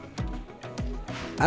adonan selanjutnya kita bawa ke penggigilan